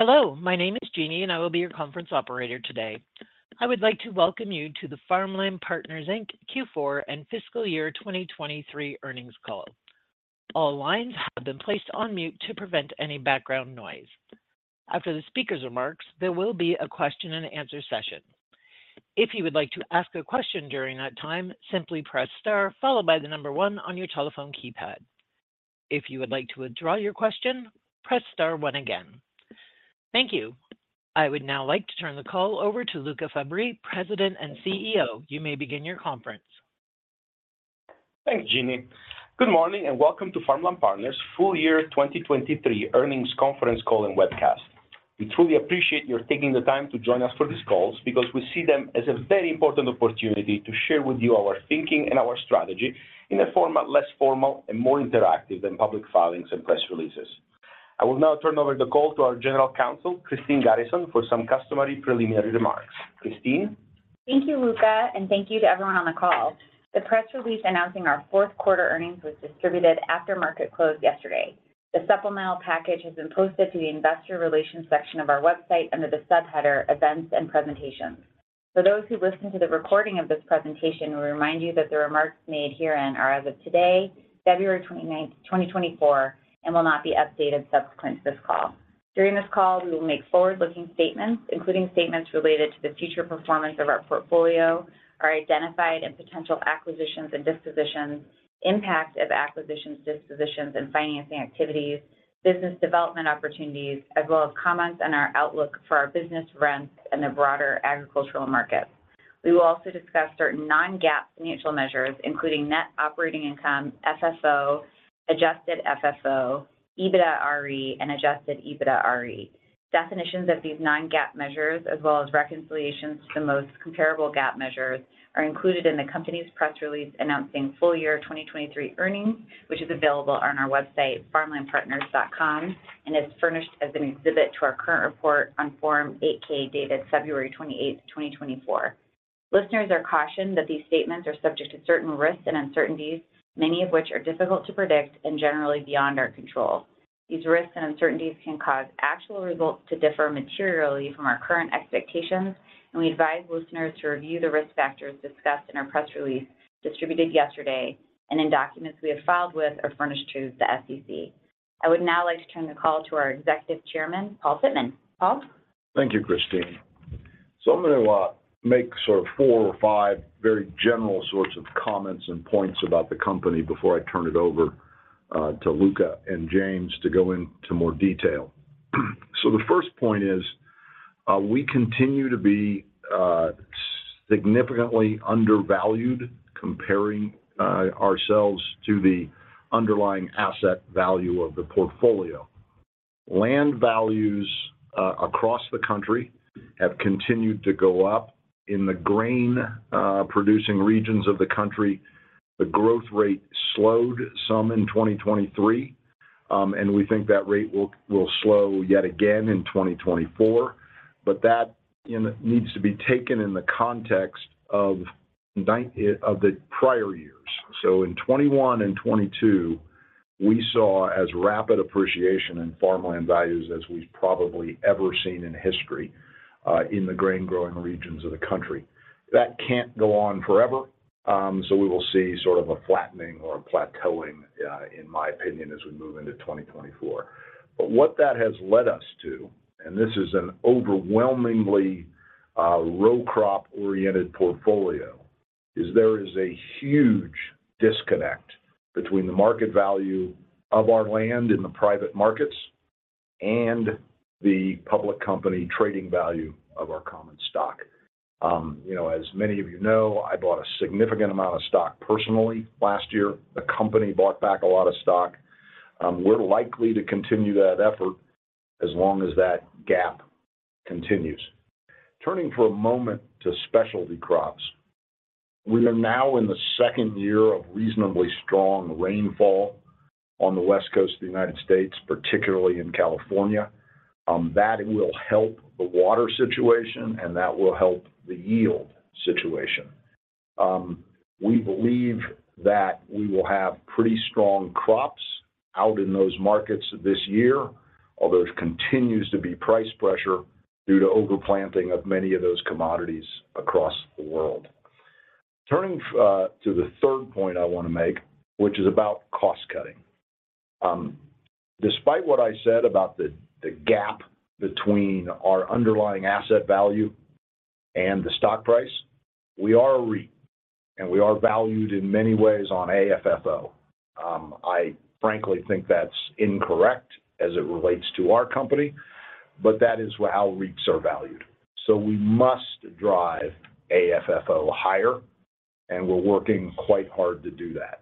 Hello, my name is Jeannie and I will be your conference operator today. I would like to welcome you to the. All lines have been placed on mute to prevent any background noise. After the speaker's remarks, there will be a question-and-answer session. If you would like to ask a question during that time, simply press star followed by the number one on your telephone keypad. If you would like to withdraw your question, press star one again. Thank you. I would now like to turn the call over to Luca Fabbri, President and CEO. You may begin your conference. Thanks, Jeannie. Good morning and welcome to Farmland Partners' full year 2023 earnings conference call and webcast. We truly appreciate your taking the time to join us for these calls because we see them as a very important opportunity to share with you our thinking and our strategy in a format less formal and more interactive than public filings and press releases. I will now turn over the call to our General Counsel, Christine Garrison, for some customary preliminary remarks. Christine? Thank you, Luca, and thank you to everyone on the call. The press release announcing our fourth quarter earnings was distributed after market close yesterday. The supplemental package has been posted to the investor relations section of our website under the subheader "Events and Presentations." For those who listen to the recording of this presentation, we remind you that the remarks made herein are as of today, February 29, 2024, and will not be updated subsequent to this call. During this call, we will make forward-looking statements, including statements related to the future performance of our portfolio, our identified and potential acquisitions and dispositions, impact of acquisitions, dispositions, and financing activities, business development opportunities, as well as comments on our outlook for our business rents and the broader agricultural market. We will also discuss certain non-GAAP financial measures, including net operating income, FFO, adjusted FFO, EBITDA-RE, and adjusted EBITDA-RE. Definitions of these non-GAAP measures, as well as reconciliations to the most comparable GAAP measures, are included in the company's press release announcing full year 2023 earnings, which is available on our website, farmlandpartners.com, and is furnished as an exhibit to our current report on Form 8-K dated February 28, 2024. Listeners are cautioned that these statements are subject to certain risks and uncertainties, many of which are difficult to predict and generally beyond our control. These risks and uncertainties can cause actual results to differ materially from our current expectations, and we advise listeners to review the risk factors discussed in our press release distributed yesterday and in documents we have filed with or furnished to the SEC. I would now like to turn the call to our Executive Chairman, Paul Pittman. Paul? Thank you, Christine. So I'm going to make sort of four or five very general sorts of comments and points about the company before I turn it over to Luca and James to go into more detail. So the first point is we continue to be significantly undervalued comparing ourselves to the underlying asset value of the portfolio. Land values across the country have continued to go up. In the grain-producing regions of the country, the growth rate slowed some in 2023, and we think that rate will slow yet again in 2024. But that needs to be taken in the context of the prior years. So in 2021 and 2022, we saw as rapid appreciation in farmland values as we've probably ever seen in history in the grain-growing regions of the country. That can't go on forever, so we will see sort of a flattening or a plateauing, in my opinion, as we move into 2024. But what that has led us to, and this is an overwhelmingly row crop-oriented portfolio, is there is a huge disconnect between the market value of our land in the private markets and the public company trading value of our common stock. As many of you know, I bought a significant amount of stock personally last year. The company bought back a lot of stock. We're likely to continue that effort as long as that gap continues. Turning for a moment to specialty crops, we are now in the second year of reasonably strong rainfall on the West Coast of the United States, particularly in California. That will help the water situation, and that will help the yield situation. We believe that we will have pretty strong crops out in those markets this year, although there continues to be price pressure due to overplanting of many of those commodities across the world. Turning to the third point I want to make, which is about cost-cutting. Despite what I said about the gap between our underlying asset value and the stock price, we are a REIT, and we are valued in many ways on AFFO. I frankly think that's incorrect as it relates to our company, but that is how REITs are valued. So we must drive AFFO higher, and we're working quite hard to do that.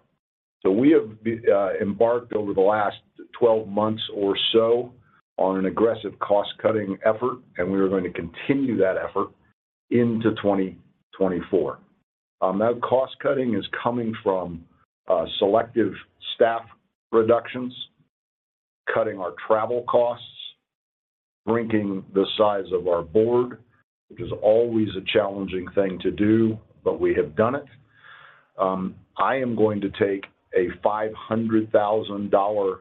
So we have embarked over the last 12 months or so on an aggressive cost-cutting effort, and we are going to continue that effort into 2024. That cost-cutting is coming from selective staff reductions, cutting our travel costs, shrinking the size of our board, which is always a challenging thing to do, but we have done it. I am going to take a $500,000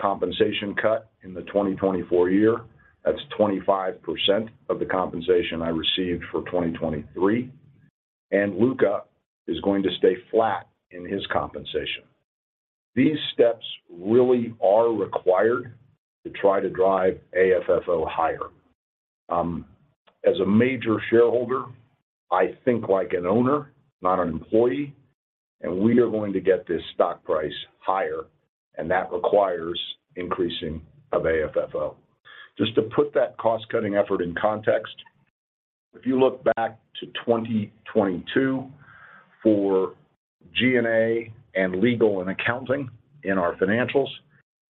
compensation cut in the 2024 year. That's 25% of the compensation I received for 2023, and Luca is going to stay flat in his compensation. These steps really are required to try to drive AFFO higher. As a major shareholder, I think like an owner, not an employee, and we are going to get this stock price higher, and that requires increasing of AFFO. Just to put that cost-cutting effort in context, if you look back to 2022 for G&A and legal and accounting in our financials,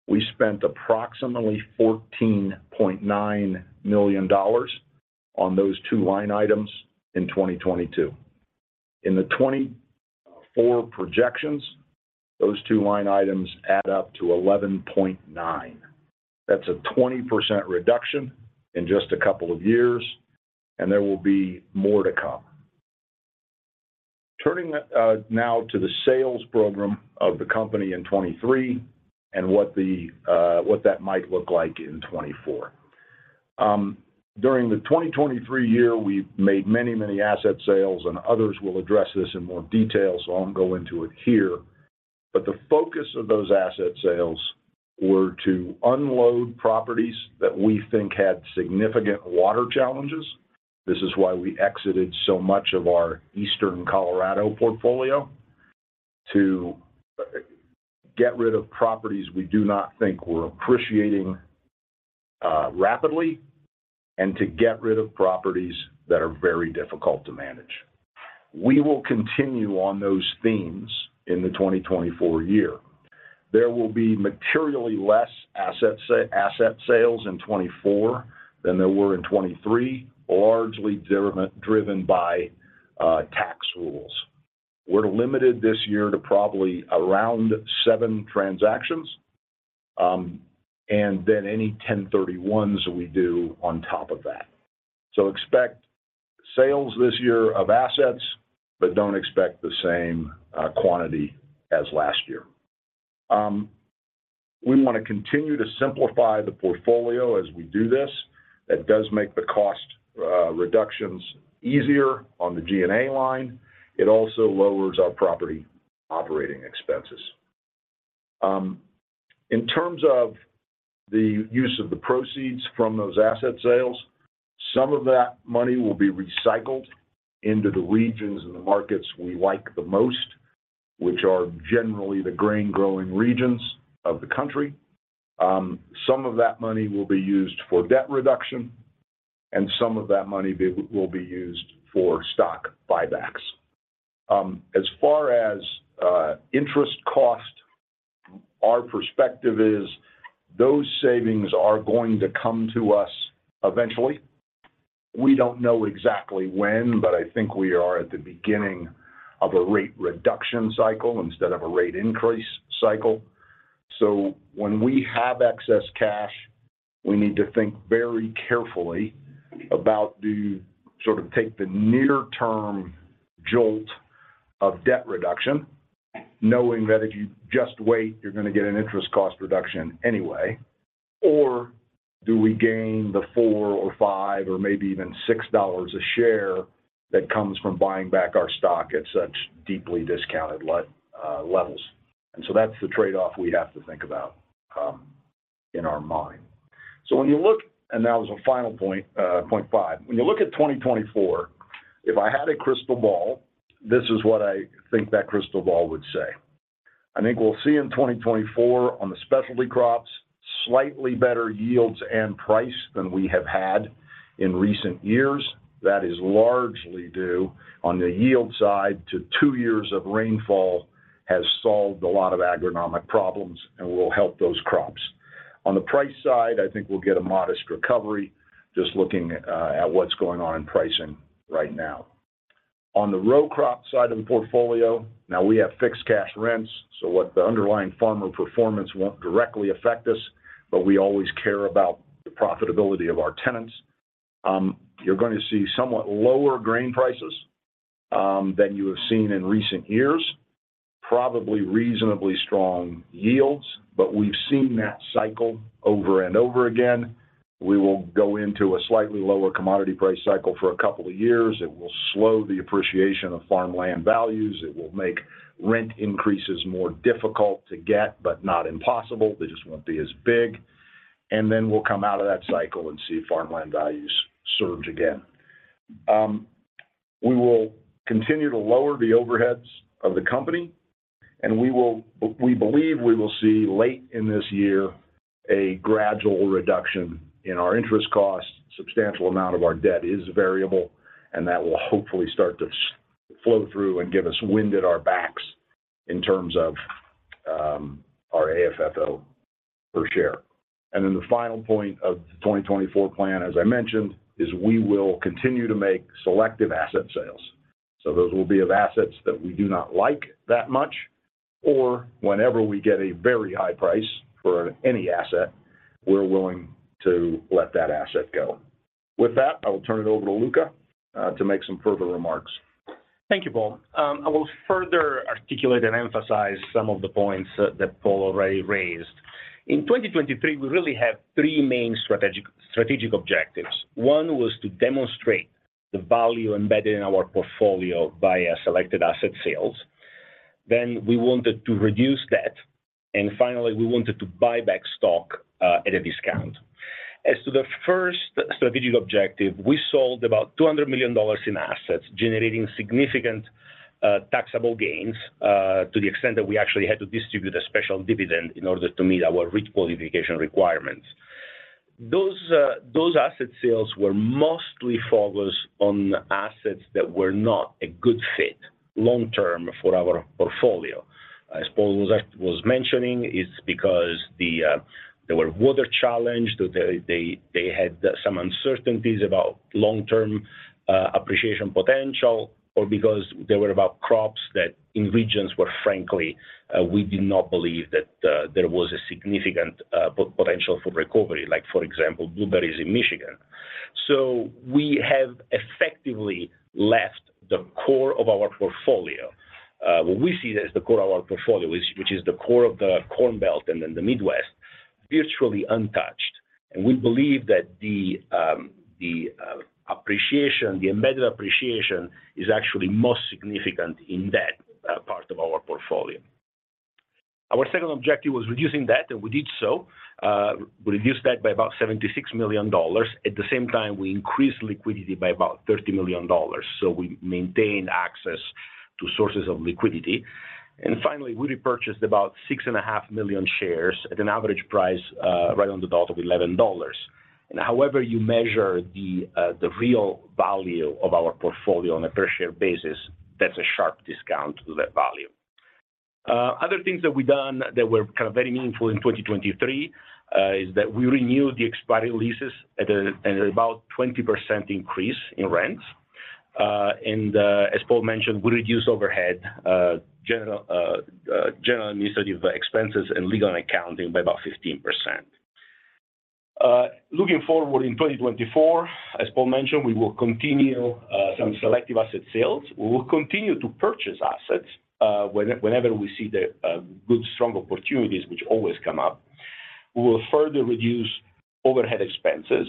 we spent approximately $14.9 million on those two line items in 2022. In the 2024 projections, those two line items add up to $11.9. That's a 20% reduction in just a couple of years, and there will be more to come. Turning now to the sales program of the company in 2023 and what that might look like in 2024. During the 2023 year, we made many, many asset sales, and others will address this in more detail, so I won't go into it here. But the focus of those asset sales were to unload properties that we think had significant water challenges. This is why we exited so much of our Eastern Colorado portfolio, to get rid of properties we do not think we're appreciating rapidly, and to get rid of properties that are very difficult to manage. We will continue on those themes in the 2024 year. There will be materially less asset sales in 2024 than there were in 2023, largely driven by tax rules. We're limited this year to probably around seven transactions and then any 1031s we do on top of that. So expect sales this year of assets, but don't expect the same quantity as last year. We want to continue to simplify the portfolio as we do this. That does make the cost reductions easier on the G&A line. It also lowers our property operating expenses. In terms of the use of the proceeds from those asset sales, some of that money will be recycled into the regions and the markets we like the most, which are generally the grain-growing regions of the country. Some of that money will be used for debt reduction, and some of that money will be used for stock buybacks. As far as interest cost, our perspective is those savings are going to come to us eventually. We don't know exactly when, but I think we are at the beginning of a rate reduction cycle instead of a rate increase cycle. So when we have excess cash, we need to think very carefully about do we sort of take the near-term jolt of debt reduction, knowing that if you just wait, you're going to get an interest cost reduction anyway, or do we gain the $4 or $5 or maybe even $6 a share that comes from buying back our stock at such deeply discounted levels. And so that's the trade-off we have to think about in our mind. So when you look and that was a final point, point five. When you look at 2024, if I had a crystal ball, this is what I think that crystal ball would say. I think we'll see in 2024 on the specialty crops slightly better yields and price than we have had in recent years. That is largely due on the yield side to two years of rainfall has solved a lot of agronomic problems and will help those crops. On the price side, I think we'll get a modest recovery just looking at what's going on in pricing right now. On the row crop side of the portfolio, now we have fixed cash rents, so what the underlying farmer performance won't directly affect us, but we always care about the profitability of our tenants. You're going to see somewhat lower grain prices than you have seen in recent years, probably reasonably strong yields, but we've seen that cycle over and over again. We will go into a slightly lower commodity price cycle for a couple of years. It will slow the appreciation of farmland values. It will make rent increases more difficult to get, but not impossible. They just won't be as big. And then we'll come out of that cycle and see farmland values surge again. We will continue to lower the overheads of the company, and we believe we will see late in this year a gradual reduction in our interest costs. A substantial amount of our debt is variable, and that will hopefully start to flow through and give us wind at our backs in terms of our AFFO per share. And then the final point of the 2024 plan, as I mentioned, is we will continue to make selective asset sales. So those will be of assets that we do not like that much, or whenever we get a very high price for any asset, we're willing to let that asset go. With that, I will turn it over to Luca to make some further remarks. Thank you, Paul. I will further articulate and emphasize some of the points that Paul already raised. In 2023, we really have three main strategic objectives. One was to demonstrate the value embedded in our portfolio via selected asset sales. Then we wanted to reduce debt, and finally, we wanted to buy back stock at a discount. As to the first strategic objective, we sold about $200 million in assets generating significant taxable gains to the extent that we actually had to distribute a special dividend in order to meet our REIT qualification requirements. Those asset sales were mostly focused on assets that were not a good fit long-term for our portfolio. As Paul was mentioning, it's because there were water challenges, they had some uncertainties about long-term appreciation potential, or because they were about crops that in regions where, frankly, we did not believe that there was a significant potential for recovery, like for example, blueberries in Michigan. So we have effectively left the core of our portfolio what we see as the core of our portfolio, which is the core of the Corn Belt and then the Midwest, virtually untouched. We believe that the embedded appreciation is actually most significant in that part of our portfolio. Our second objective was reducing debt, and we did so. We reduced debt by about $76 million. At the same time, we increased liquidity by about $30 million, so we maintained access to sources of liquidity. Finally, we repurchased about 6.5 million shares at an average price right on the dot of $11. However you measure the real value of our portfolio on a per share basis, that's a sharp discount to that value. Other things that we've done that were kind of very meaningful in 2023 is that we renewed the expired leases at about a 20% increase in rents. And as Paul mentioned, we reduced overhead, general administrative expenses, and legal and accounting by about 15%. Looking forward in 2024, as Paul mentioned, we will continue some selective asset sales. We will continue to purchase assets whenever we see good, strong opportunities, which always come up. We will further reduce overhead expenses.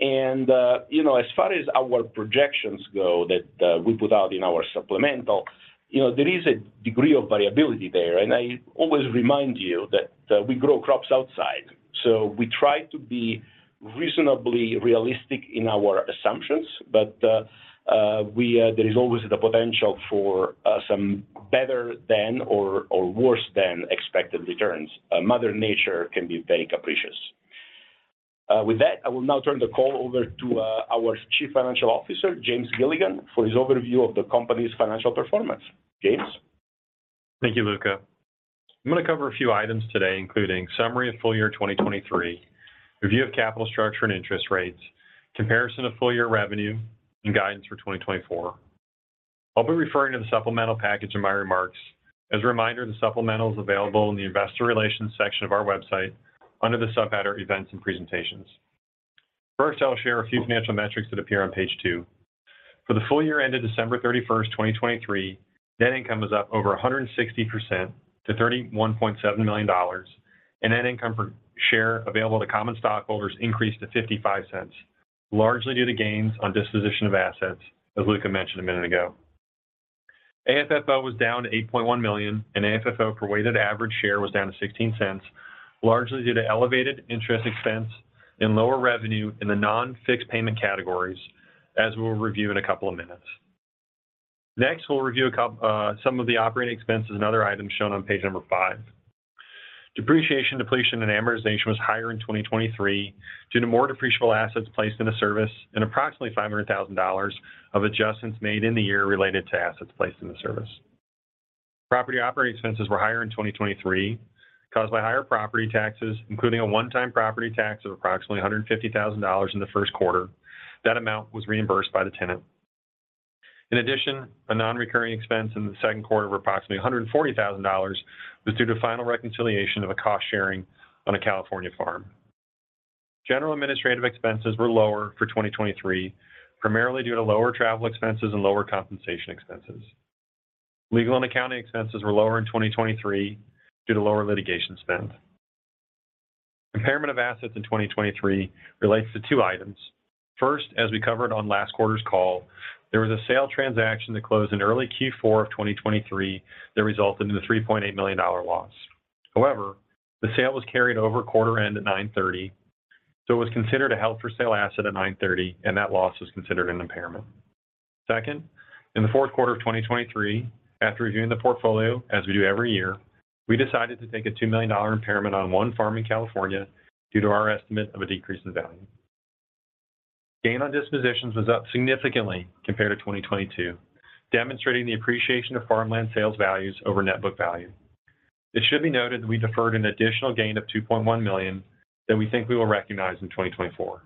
And as far as our projections go that we put out in our supplemental, there is a degree of variability there. I always remind you that we grow crops outside, so we try to be reasonably realistic in our assumptions, but there is always the potential for some better than or worse than expected returns. Mother Nature can be very capricious. With that, I will now turn the call over to our Chief Financial Officer, James Gilligan, for his overview of the company's financial performance. James. Thank you, Luca. I'm going to cover a few items today, including a summary of full year 2023, review of capital structure and interest rates, comparison of full year revenue, and guidance for 2024. I'll be referring to the supplemental package in my remarks. As a reminder, the supplemental is available in the investor relations section of our website under the subheader, Events and Presentations. First, I'll share a few financial metrics that appear on page two. For the full year ended December 31st, 2023, net income is up over 160% to $31.7 million, and net income per share available to common stockholders increased to $0.55, largely due to gains on disposition of assets, as Luca mentioned a minute ago. AFFO was down to $8.1 million, and AFFO per weighted average share was down to $0.16, largely due to elevated interest expense and lower revenue in the non-fixed payment categories, as we will review in a couple of minutes. Next, we'll review some of the operating expenses and other items shown on page number five. Depreciation, depletion, and amortization was higher in 2023 due to more depreciable assets placed in service and approximately $500,000 of adjustments made in the year related to assets placed in service. Property operating expenses were higher in 2023 caused by higher property taxes, including a one-time property tax of approximately $150,000 in the first quarter. That amount was reimbursed by the tenant. In addition, a non-recurring expense in the second quarter of approximately $140,000 was due to final reconciliation of a cost sharing on a California farm. General and administrative expenses were lower for 2023, primarily due to lower travel expenses and lower compensation expenses. Legal and accounting expenses were lower in 2023 due to lower litigation spend. Impairment of assets in 2023 relates to two items. First, as we covered on last quarter's call, there was a sale transaction that closed in early Q4 of 2023 that resulted in a $3.8 million loss. However, the sale was carried over quarter end at 9:30, so it was considered a held-for-sale asset at 9:30, and that loss was considered an impairment. Second, in the fourth quarter of 2023, after reviewing the portfolio, as we do every year, we decided to take a $2 million impairment on one farm in California due to our estimate of a decrease in value. Gain on dispositions was up significantly compared to 2022, demonstrating the appreciation of farmland sales values over net book value. It should be noted that we deferred an additional gain of $2.1 million that we think we will recognize in 2024.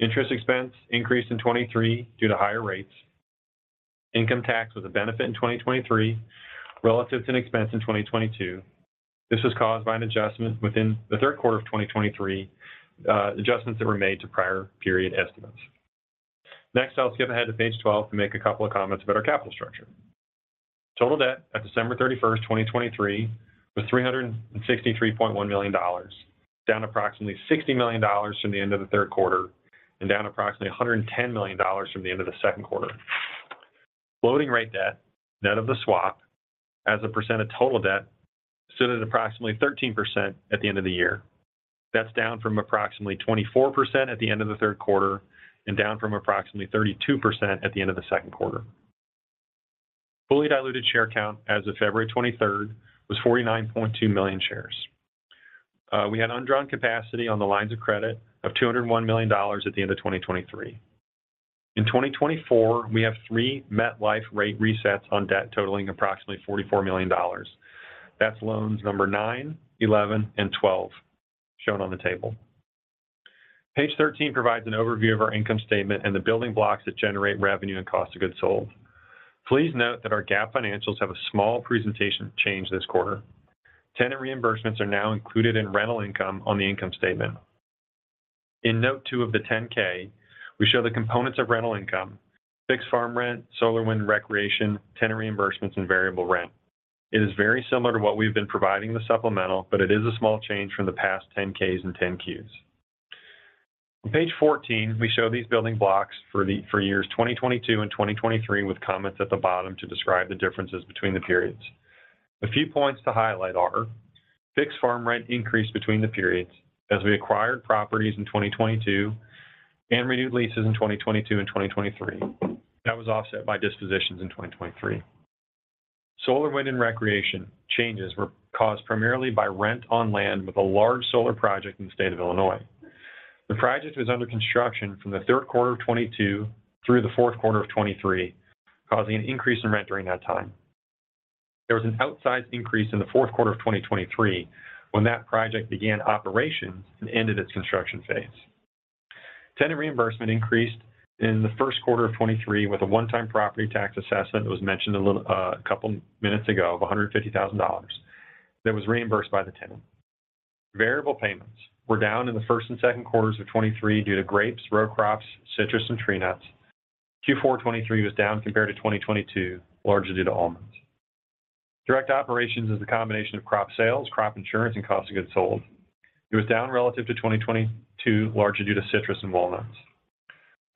Interest expense increased in 2023 due to higher rates. Income tax was a benefit in 2023 relative to an expense in 2022. This was caused by an adjustment within the third quarter of 2023, adjustments that were made to prior period estimates. Next, I'll skip ahead to page 12 to make a couple of comments about our capital structure. Total debt at December 31st, 2023, was $363.1 million, down approximately $60 million from the end of the third quarter and down approximately $110 million from the end of the second quarter. Floating rate debt, net of the swap, as a percent of total debt, stood at approximately 13% at the end of the year. That's down from approximately 24% at the end of the third quarter and down from approximately 32% at the end of the second quarter. Fully diluted share count as of February 23rd was 49.2 million shares. We had undrawn capacity on the lines of credit of $201 million at the end of 2023. In 2024, we have three MetLife rate resets on debt totaling approximately $44 million. That's loans number 9, 11, and 12 shown on the table. Page 13 provides an overview of our income statement and the building blocks that generate revenue and cost of goods sold. Please note that our GAAP financials have a small presentation change this quarter. Tenant reimbursements are now included in rental income on the income statement. In note two of the 10-K, we show the components of rental income: fixed farm rent, solar wind and recreation, tenant reimbursements, and variable rent. It is very similar to what we've been providing in the supplemental, but it is a small change from the past 10-Ks and 10-Qs. On page 14, we show these building blocks for years 2022 and 2023 with comments at the bottom to describe the differences between the periods. A few points to highlight are: fixed farm rent increased between the periods as we acquired properties in 2022 and renewed leases in 2022 and 2023. That was offset by dispositions in 2023. Solar wind and recreation changes were caused primarily by rent on land with a large solar project in the state of Illinois. The project was under construction from the third quarter of 2022 through the fourth quarter of 2023, causing an increase in rent during that time. There was an outsized increase in the fourth quarter of 2023 when that project began operations and ended its construction phase. Tenant reimbursement increased in the first quarter of 2023 with a one-time property tax assessment that was mentioned a couple of minutes ago of $150,000 that was reimbursed by the tenant. Variable payments were down in the first and second quarters of 2023 due to grapes, row crops, citrus, and tree nuts. Q4 2023 was down compared to 2022, largely due to almonds. Direct operations is the combination of crop sales, crop insurance, and cost of goods sold. It was down relative to 2022, largely due to citrus and walnuts.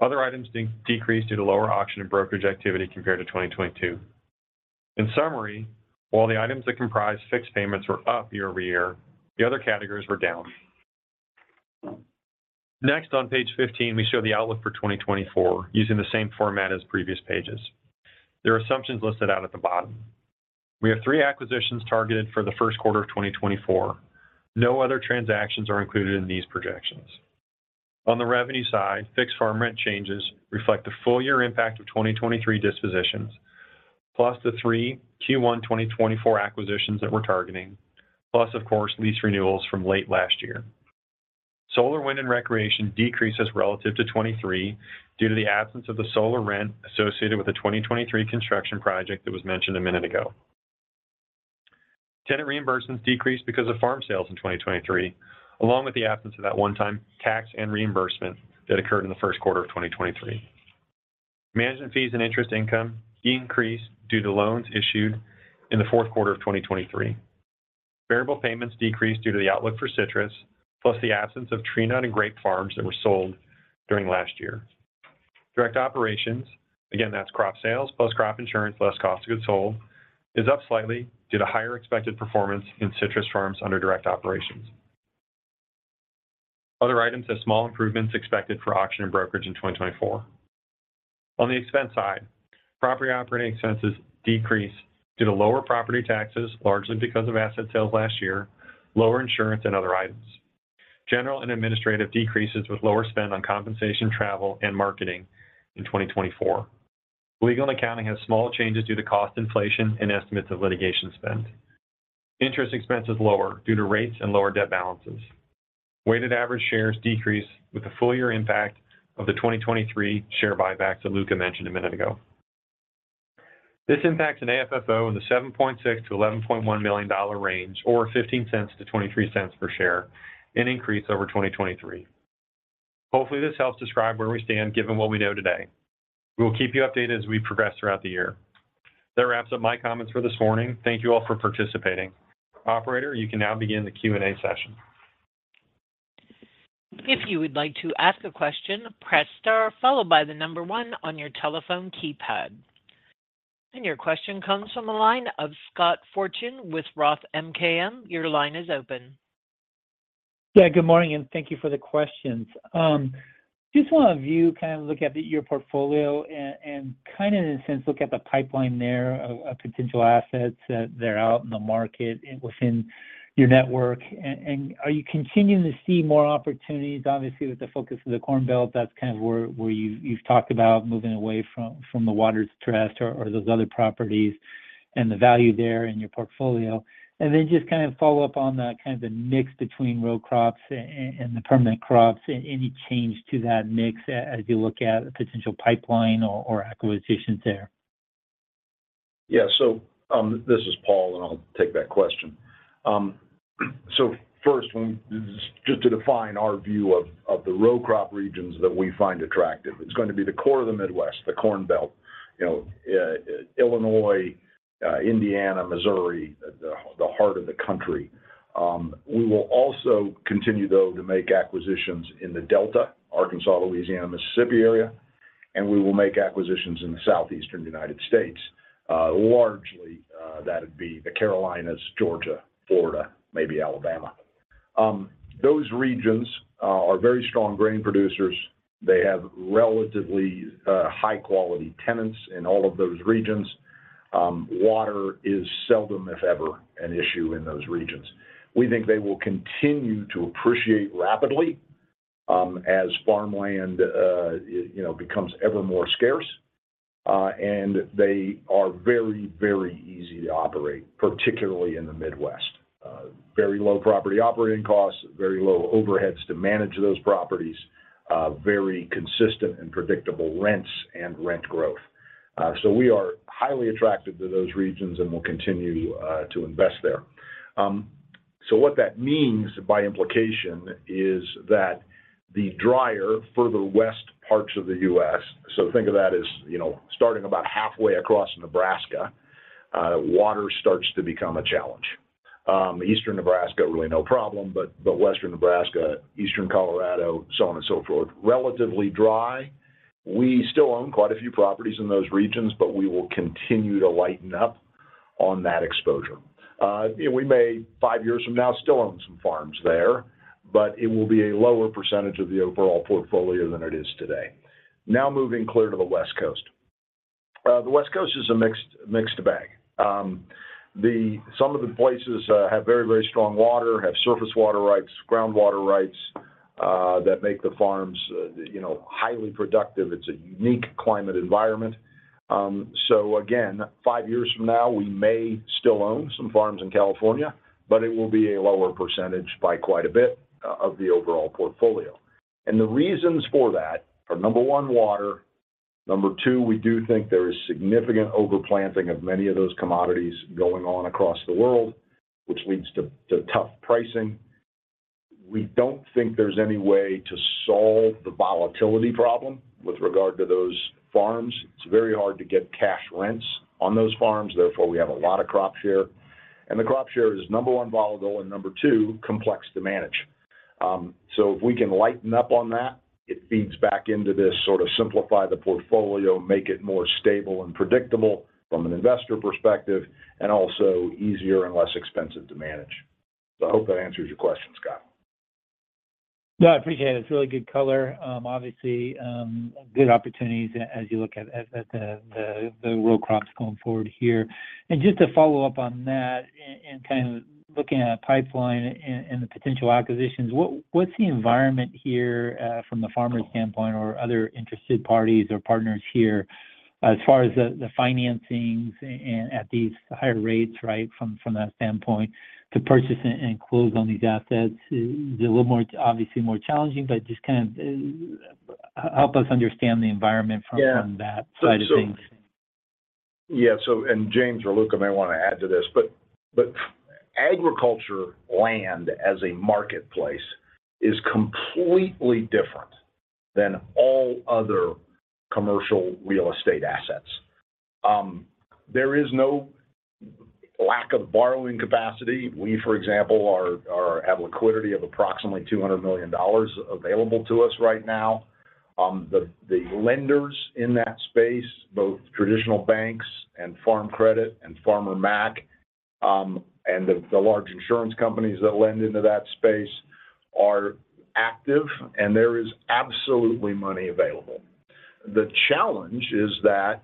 Other items decreased due to lower auction and brokerage activity compared to 2022. In summary, while the items that comprise fixed payments were up year-over-year, the other categories were down. Next, on page 15, we show the outlook for 2024 using the same format as previous pages. There are assumptions listed out at the bottom. We have three acquisitions targeted for the first quarter of 2024. No other transactions are included in these projections. On the revenue side, fixed farm rent changes reflect the full year impact of 2023 dispositions, plus the three Q1 2024 acquisitions that we're targeting, plus, of course, lease renewals from late last year. Solar, wind, and recreation decreases relative to 2023 due to the absence of the solar rent associated with a 2023 construction project that was mentioned a minute ago. Tenant reimbursements decreased because of farm sales in 2023, along with the absence of that one-time tax and reimbursement that occurred in the first quarter of 2023. Management fees and interest income increased due to loans issued in the fourth quarter of 2023. Variable payments decreased due to the outlook for citrus, plus the absence of tree nut and grape farms that were sold during last year. Direct operations, again, that's crop sales, plus crop insurance, less cost of goods sold, is up slightly due to higher expected performance in citrus farms under direct operations. Other items have small improvements expected for auction and brokerage in 2024. On the expense side, property operating expenses decrease due to lower property taxes, largely because of asset sales last year, lower insurance, and other items. General and administrative decreases with lower spend on compensation, travel, and marketing in 2024. Legal and accounting have small changes due to cost inflation and estimates of litigation spend. Interest expense is lower due to rates and lower debt balances. Weighted average shares decrease with the full year impact of the 2023 share buybacks that Luca mentioned a minute ago. This impacts an AFFO in the $7.6-$11.1 million range or $0.15-$0.23 per share, an increase over 2023. Hopefully, this helps describe where we stand given what we know today. We will keep you updated as we progress throughout the year. That wraps up my comments for this morning. Thank you all for participating. Operator, you can now begin the Q&A session. If you would like to ask a question, press star followed by the number one on your telephone keypad. Your question comes from a line of Scott Fortune with Roth MKM, your line is open. Yeah, good morning. Thank you for the questions. I just want to view, kind of look at your portfolio and kind of, in a sense, look at the pipeline there of potential assets that are out in the market within your network. Are you continuing to see more opportunities? Obviously, with the focus of the Corn Belt, that's kind of where you've talked about moving away from the water trust or those other properties and the value there in your portfolio. Then just kind of follow up on kind of the mix between row crops and the permanent Crops, any change to that mix as you look at a potential pipeline or acquisitions there? Yeah. So this is Paul, and I'll take that question. So first, just to define our view of the row crop regions that we find attractive, it's going to be the core of the Midwest, the Corn Belt, Illinois, Indiana, Missouri, the heart of the country. We will also continue, though, to make acquisitions in the Delta, Arkansas, Louisiana, Mississippi area, and we will make acquisitions in the Southeastern United States. Largely, that would be the Carolinas, Georgia, Florida, maybe Alabama. Those regions are very strong grain producers. They have relatively high-quality tenants in all of those regions. Water is seldom, if ever, an issue in those regions. We think they will continue to appreciate rapidly as farmland becomes ever more scarce. And they are very, very easy to operate, particularly in the Midwest. Very low property operating costs, very low overheads to manage those properties, very consistent and predictable rents and rent growth. So we are highly attracted to those regions and will continue to invest there. So what that means by implication is that the drier, further west parts of the U.S., so think of that as starting about halfway across Nebraska, water starts to become a challenge. Eastern Nebraska, really no problem, but Western Nebraska, Eastern Colorado, so on and so forth, relatively dry. We still own quite a few properties in those regions, but we will continue to lighten up on that exposure. We may, five years from now, still own some farms there, but it will be a lower percentage of the overall portfolio than it is today. Now moving clear to the West Coast. The West Coast is a mixed bag. Some of the places have very, very strong water, have surface water rights, groundwater rights that make the farms highly productive. It's a unique climate environment. So again, five years from now, we may still own some farms in California, but it will be a lower percentage by quite a bit of the overall portfolio. And the reasons for that are, number one, water. Number two, we do think there is significant overplanting of many of those commodities going on across the world, which leads to tough pricing. We don't think there's any way to solve the volatility problem with regard to those farms. It's very hard to get cash rents on those farms. Therefore, we have a lot of crop share. And the crop share is, number one, volatile and, number two, complex to manage. So if we can lighten up on that, it feeds back into this sort of simplify the portfolio, make it more stable and predictable from an investor perspective, and also easier and less expensive to manage. So I hope that answers your question, Scott. No, I appreciate it. It's really good color. Obviously, good opportunities as you look at the row crops going forward here. And just to follow up on that and kind of looking at a pipeline and the potential acquisitions, what's the environment here from the farmer's standpoint or other interested parties or partners here as far as the financings at these higher rates, right, from that standpoint to purchase and close on these assets? It's obviously more challenging, but just kind of help us understand the environment from that side of things. Yeah. James or Luca may want to add to this, but agriculture land as a marketplace is completely different than all other commercial real estate assets. There is no lack of borrowing capacity. We, for example, have liquidity of approximately $200 million available to us right now. The lenders in that space, both traditional banks and Farm Credit and Farmer Mac and the large insurance companies that lend into that space, are active, and there is absolutely money available. The challenge is that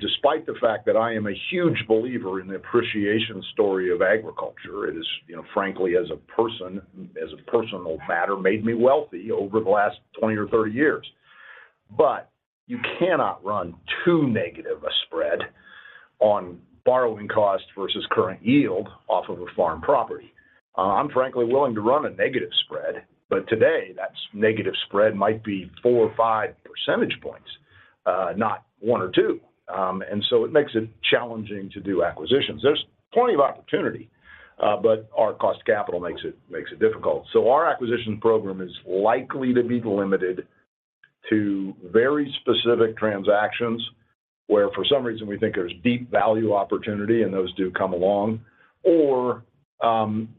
despite the fact that I am a huge believer in the appreciation story of agriculture, it has, frankly, as a person, as a personal matter, made me wealthy over the last 20 or 30 years. But you cannot run too negative a spread on borrowing cost versus current yield off of a farm property. I'm frankly willing to run a negative spread, but today, that negative spread might be four or five percentage points, not one or two. So it makes it challenging to do acquisitions. There's plenty of opportunity, but our cost of capital makes it difficult. So our acquisitions program is likely to be limited to very specific transactions where, for some reason, we think there's deep value opportunity, and those do come along, or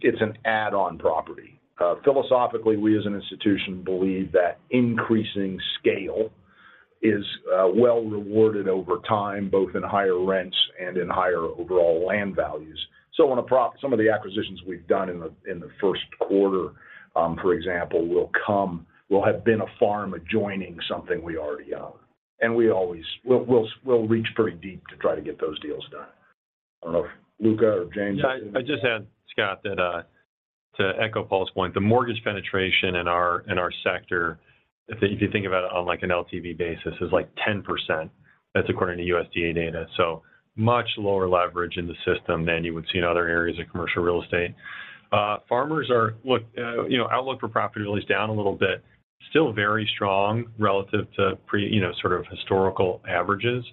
it's an add-on property. Philosophically, we as an institution believe that increasing scale is well rewarded over time, both in higher rents and in higher overall land values. So some of the acquisitions we've done in the first quarter, for example, will have been a farm adjoining something we already own. We'll reach pretty deep to try to get those deals done. I don't know if Luca or James has anything. I'd just add, Scott, to echo Paul's point, the mortgage penetration in our sector, if you think about it on an LTV basis, is like 10%. That's according to USDA data. So much lower leverage in the system than you would see in other areas of commercial real estate. Farmers' outlook for profitability is down a little bit, still very strong relative to sort of historical averages.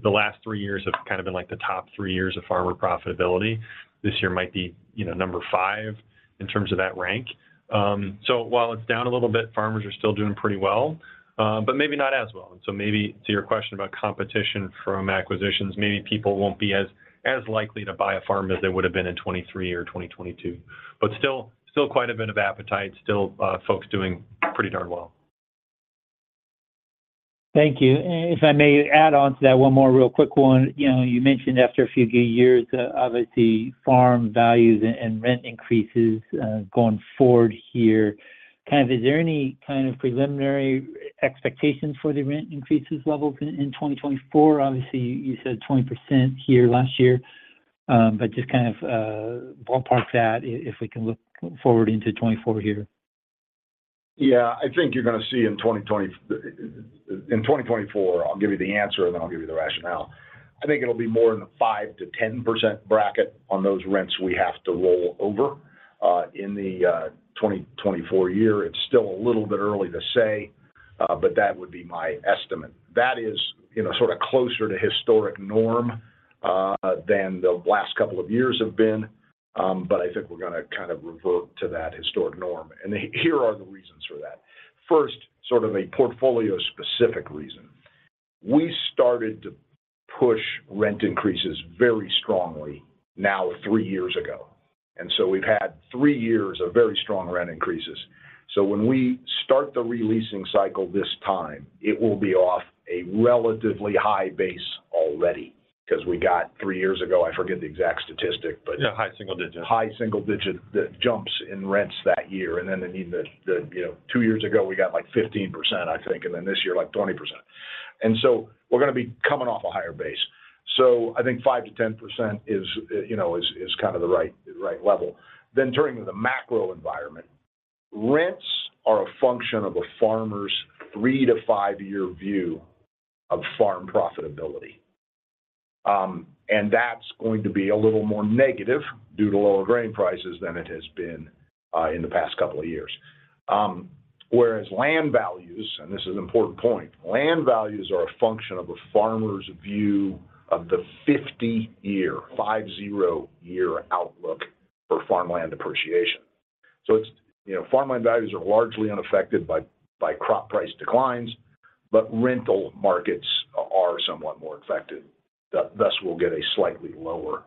The last three years have kind of been the top three years of farmer profitability. This year might be number five in terms of that rank. So while it's down a little bit, farmers are still doing pretty well, but maybe not as well. And so maybe to your question about competition from acquisitions, maybe people won't be as likely to buy a farm as they would have been in 2023 or 2022. But still quite a bit of appetite, still folks doing pretty darn well. Thank you. And if I may add on to that, one more real quick one. You mentioned after a few years, obviously, farm values and rent increases going forward here. Kind of is there any kind of preliminary expectations for the rent increases levels in 2024? Obviously, you said 20% here last year, but just kind of ballpark that if we can look forward into 2024 here. Yeah. I think you're going to see in 2024, I'll give you the answer, and then I'll give you the rationale. I think it'll be more in the 5%-10% bracket on those rents we have to roll over in the 2024 year. It's still a little bit early to say, but that would be my estimate. That is sort of closer to historic norm than the last couple of years have been, but I think we're going to kind of revert to that historic norm. Here are the reasons for that. First, sort of a portfolio-specific reason. We started to push rent increases very strongly now three years ago. So we've had three years of very strong rent increases. So when we start the re-leasing cycle this time, it will be off a relatively high base already because we got three years ago, I forget the exact statistic, but. Yeah, high single-digit. High single-digit jumps in rents that year. Then I mean, two years ago, we got like 15%, I think, and then this year, like 20%. And so we're going to be coming off a higher base. So I think 5%-10% is kind of the right level. Then turning to the macro environment, rents are a function of a farmer's three-to-five-year view of farm profitability. And that's going to be a little more negative due to lower grain prices than it has been in the past couple of years. Whereas land values, and this is an important point, land values are a function of a farmer's view of the 50-year, five zero year outlook for farmland depreciation. So farmland values are largely unaffected by crop price declines, but rental markets are somewhat more affected. Thus, we'll get a slightly lower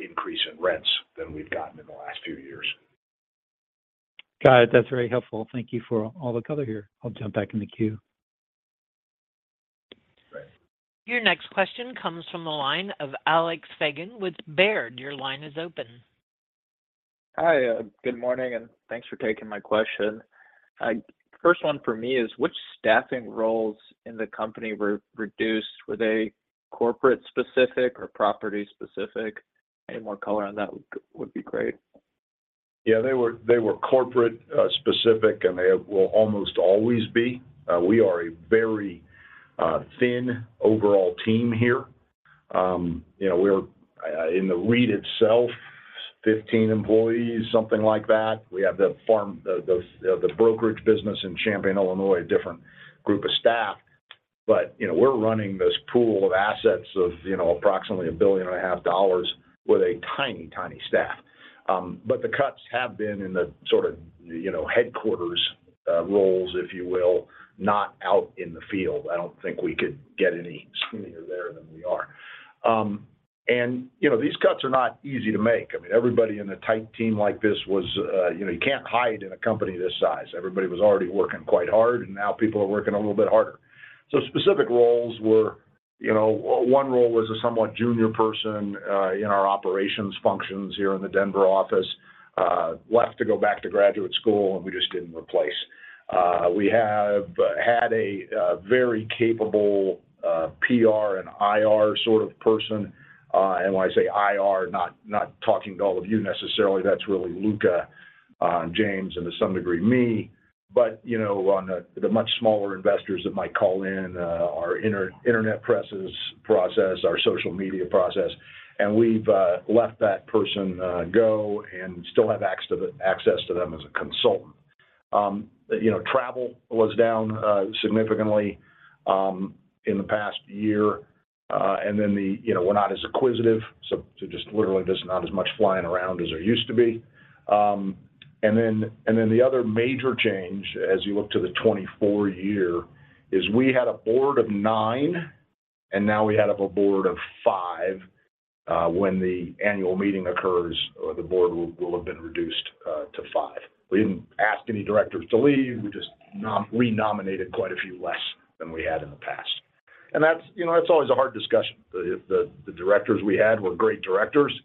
increase in rents than we've gotten in the last few years. Got it. That's very helpful. Thank you for all the color here. I'll jump back in the queue. Your next question comes from the line of Alex Fagan with Baird. Your line is open. Hi. Good morning. Thanks for taking my question. First one for me is, which staffing roles in the company were reduced? Were they corporate-specific or property-specific? Any more color on that would be great. Yeah. They were corporate-specific, and they will almost always be. We are a very thin overall team here. We're, in the REIT itself, 15 employees, something like that. We have the brokerage business in Champaign, Illinois, a different group of staff. But we're running this pool of assets of approximately $1.5 billion with a tiny, tiny staff. But the cuts have been in the sort of headquarters roles, if you will, not out in the field. I don't think we could get any skinnier there than we are. And these cuts are not easy to make. I mean, everybody in a tight team like this was. You can't hide in a company this size. Everybody was already working quite hard, and now people are working a little bit harder. So specific roles were; one role was a somewhat junior person in our operations functions here in the Denver office, left to go back to graduate school, and we just didn't replace. We have had a very capable PR and IR sort of person. And when I say IR, not talking to all of you necessarily, that's really Luca, James, and to some degree, me. But the much smaller investors that might call in, our internet press releases process, our social media process. And we've left that person go and still have access to them as a consultant. Travel was down significantly in the past year. And then we're not as acquisitive. So just literally, there's not as much flying around as there used to be. And then the other major change, as you look to the 2024 year, is we had a board of nine, and now we have a board of five. When the annual meeting occurs, the board will have been reduced to five. We didn't ask any directors to leave. We just renominated quite a few less than we had in the past. And that's always a hard discussion. The directors we had were great directors,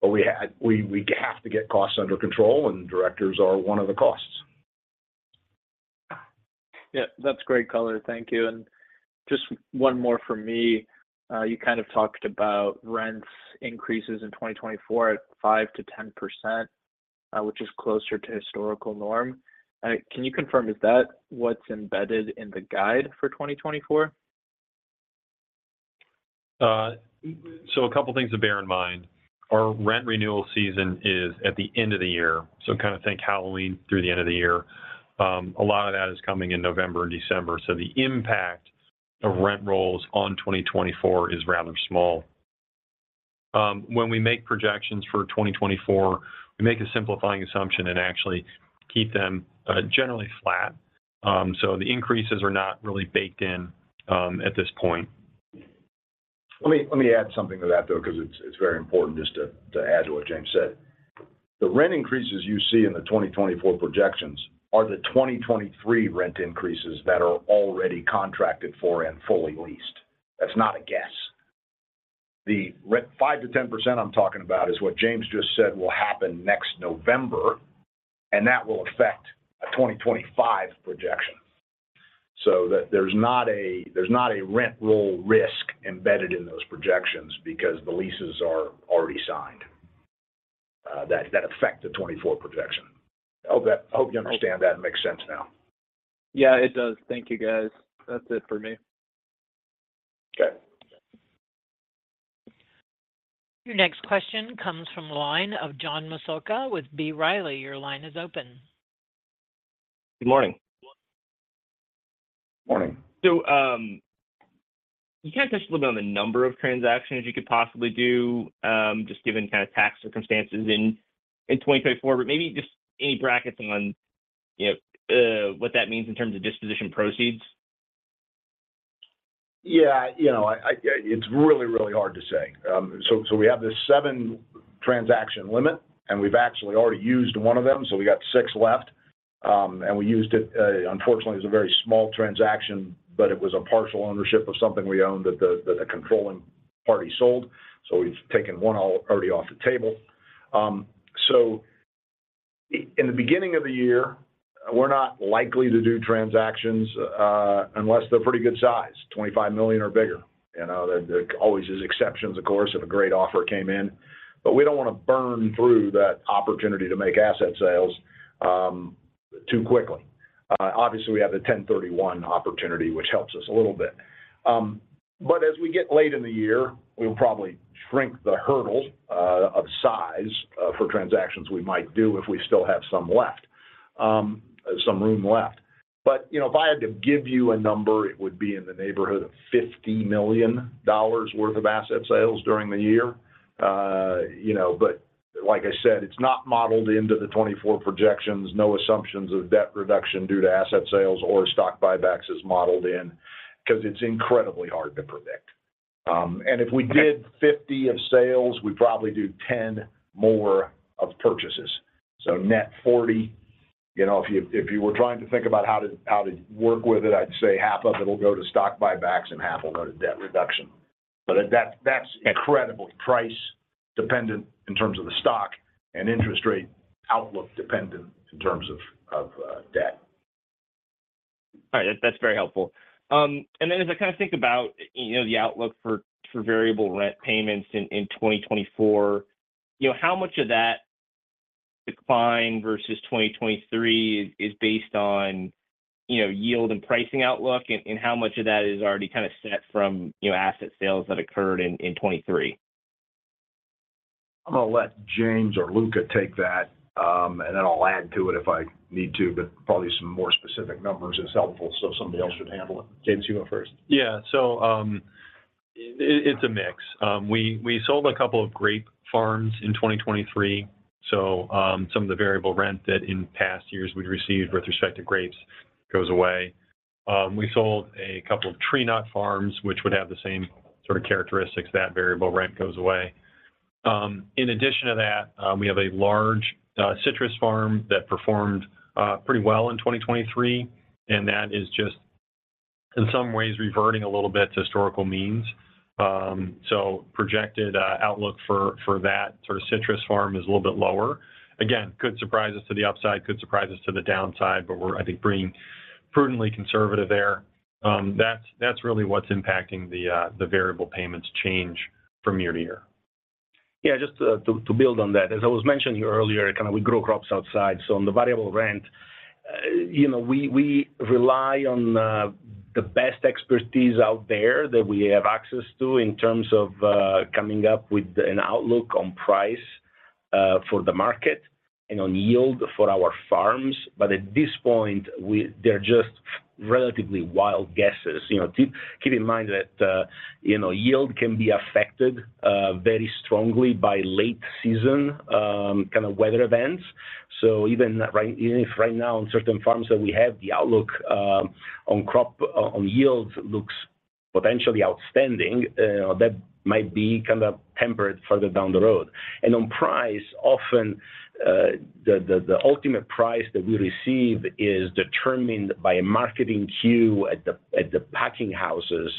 but we have to get costs under control, and directors are one of the costs. Yeah. That's great color. Thank you. And just one more for me. You kind of talked about rent increases in 2024 at 5%-10%, which is closer to historical norm. Can you confirm, is that what's embedded in the guide for 2024? A couple of things to bear in mind. Our rent renewal season is at the end of the year. Kind of think Halloween through the end of the year. A lot of that is coming in November and December. The impact of rent rolls on 2024 is rather small. When we make projections for 2024, we make a simplifying assumption and actually keep them generally flat. The increases are not really baked in at this point. Let me add something to that, though, because it's very important just to add to what James said. The rent increases you see in the 2024 projections are the 2023 rent increases that are already contracted for and fully leased. That's not a guess. The 5%-10% I'm talking about is what James just said will happen next November, and that will affect a 2025 projection. So there's not a rent roll risk embedded in those projections because the leases are already signed that affect the 2024 projection. I hope you understand that and make sense now. Yeah, it does. Thank you, guys. That's it for me. Okay. Your next question comes from the line of John Massocca with B. Riley. Your line is open. Good morning. Morning. So you kind of touched a little bit on the number of transactions you could possibly do, just given kind of tax circumstances in 2024, but maybe just any brackets on what that means in terms of disposition proceeds? Yeah. It's really, really hard to say. So we have this seven transaction limit, and we've actually already used one of them. So we got six left. And we used it, unfortunately, as a very small transaction, but it was a partial ownership of something we owned that the controlling party sold. So we've taken one already off the table. So in the beginning of the year, we're not likely to do transactions unless they're pretty good size, $25 million or bigger. There always is exceptions, of course, if a great offer came in. But we don't want to burn through that opportunity to make asset sales too quickly. Obviously, we have the 1031 opportunity, which helps us a little bit. But as we get late in the year, we'll probably shrink the hurdle of size for transactions we might do if we still have some room left. But if I had to give you a number, it would be in the neighborhood of $50 million worth of asset sales during the year. But like I said, it's not modeled into the 2024 projections. No assumptions of debt reduction due to asset sales or stock buybacks is modeled in because it's incredibly hard to predict. And if we did 50 of sales, we'd probably do 10 more of purchases. So net 40. If you were trying to think about how to work with it, I'd say half of it'll go to stock buybacks, and half will go to debt reduction. But that's incredibly price-dependent in terms of the stock and interest rate outlook-dependent in terms of debt. All right. That's very helpful. And then as I kind of think about the outlook for variable rent payments in 2024, how much of that decline versus 2023 is based on yield and pricing outlook, and how much of that is already kind of set from asset sales that occurred in 2023? I'm going to let James or Luca take that, and then I'll add to it if I need to, but probably some more specific numbers is helpful so somebody else should handle it. James, you go first. Yeah. So it's a mix. We sold a couple of grape farms in 2023. So some of the variable rent that in past years we'd received with respect to grapes goes away. We sold a couple of tree nut farms, which would have the same sort of characteristics. That variable rent goes away. In addition to that, we have a large citrus farm that performed pretty well in 2023, and that is just, in some ways, reverting a little bit to historical means. So projected outlook for that sort of citrus farm is a little bit lower. Again, could surprise us to the upside, could surprise us to the downside, but we're, I think, being prudently conservative there. That's really what's impacting the variable payments change from year to year. Yeah. Just to build on that, as I was mentioning earlier, kind of we grow crops outside. So on the variable rent, we rely on the best expertise out there that we have access to in terms of coming up with an outlook on price for the market and on yield for our farms. But at this point, they're just relatively wild guesses. Keep in mind that yield can be affected very strongly by late-season kind of weather events. So even if right now, on certain farms that we have, the outlook on yields looks potentially outstanding, that might be kind of tempered further down the road. And on price, often, the ultimate price that we receive is determined by a marketing cue at the packing houses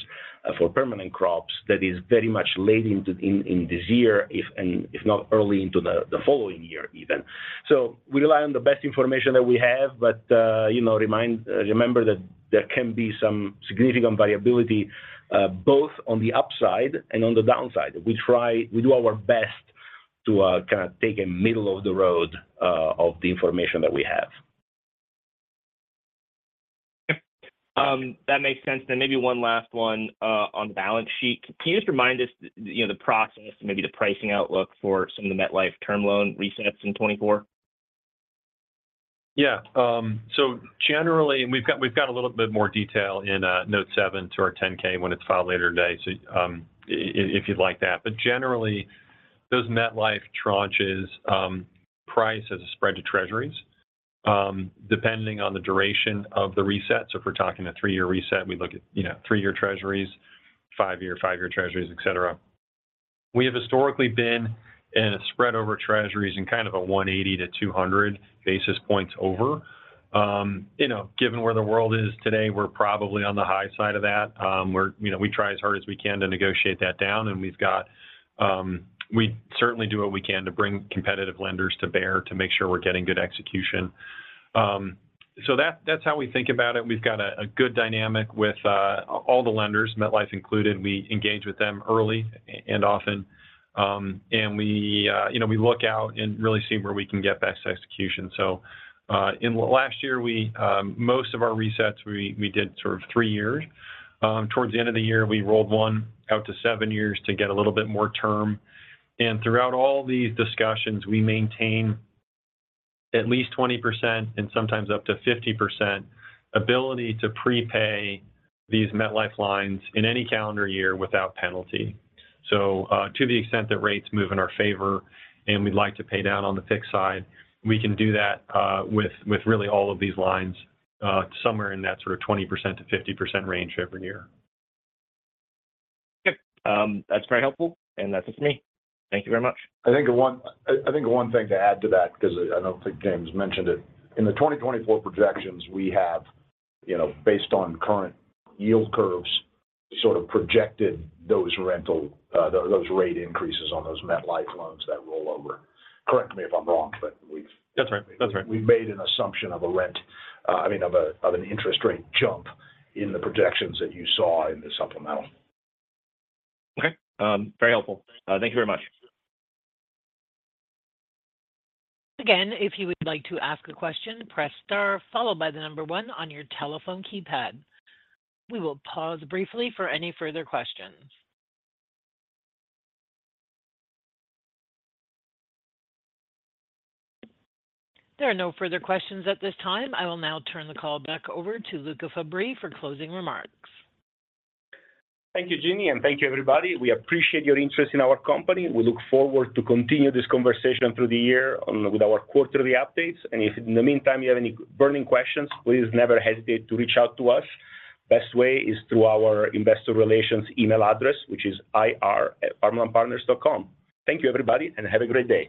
for permanent crops that is very much late in this year, if not early into the following year even. So we rely on the best information that we have, but remember that there can be some significant variability both on the upside and on the downside. We do our best to kind of take a middle of the road of the information that we have. Okay. That makes sense. Then maybe one last one on the balance sheet. Can you just remind us the process, maybe the pricing outlook for some of the MetLife term loan resets in 2024? Yeah. So generally, and we've got a little bit more detail in Note seven to our 10-K when it's filed later today, so if you'd like that. But generally, those MetLife tranches, price has a spread to treasuries depending on the duration of the reset. So if we're talking a three-year reset, we look at three-year treasuries, five-year, five-year treasuries, etc. We have historically been in a spread over treasuries in kind of a 180-200 basis points over. Given where the world is today, we're probably on the high side of that. We try as hard as we can to negotiate that down, and we certainly do what we can to bring competitive lenders to bear to make sure we're getting good execution. So that's how we think about it. We've got a good dynamic with all the lenders, MetLife included. We engage with them early and often. We look out and really see where we can get best execution. So in last year, most of our resets, we did sort of three years. Towards the end of the year, we rolled one out to seven years to get a little bit more term. And throughout all these discussions, we maintain at least 20% and sometimes up to 50% ability to prepay these MetLife lines in any calendar year without penalty. So to the extent that rates move in our favor and we'd like to pay down on the fixed side, we can do that with really all of these lines somewhere in that sort of 20%-50% range every year. Yep. That's very helpful, and that's it from me. Thank you very much. I think one thing to add to that because I don't think James mentioned it. In the 2024 projections, we have, based on current yield curves, sort of projected those rate increases on those MetLife loans that roll over. Correct me if I'm wrong, but we've. That's right. That's right. Made an assumption of a rent, I mean, of an interest rate jump in the projections that you saw in the supplemental. Okay. Very helpful. Thank you very much. Again, if you would like to ask a question, press star, followed by the number one on your telephone keypad. We will pause briefly for any further questions. There are no further questions at this time. I will now turn the call back over to Luca Fabbri for closing remarks. Thank you, Jeannie, and thank you, everybody. We appreciate your interest in our company. We look forward to continuing this conversation through the year with our quarterly updates. And if in the meantime you have any burning questions, please never hesitate to reach out to us. Best way is through our investor relations email address, which is IR@farmlandpartners.com. Thank you, everybody, and have a great day.